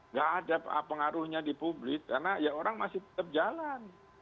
nggak ada pengaruhnya di publik karena ya orang masih tetap jalan